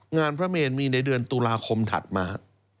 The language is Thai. พระเมนมีในเดือนตุลาคมถัดมา